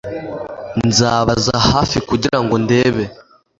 Nzabaza hafi kugirango ndebe